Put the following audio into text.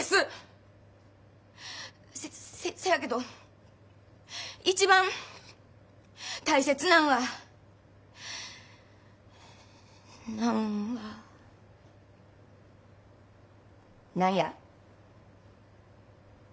せせせやけど一番大切なんはなんは何や。